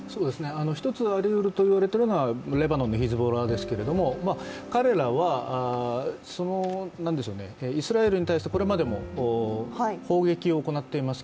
一つありうるといわれてるのがレバノンのヒズボラですけど、彼らはイスラエルに対してこれまでも砲撃を行っています。